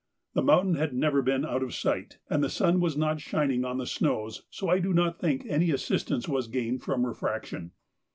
The mountain had never been out of sight, and the sun was not shining on the snows, so I do not think any assistance was gained from refraction.